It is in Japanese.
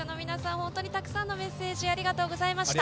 本当にたくさんのメッセージありがとうございました。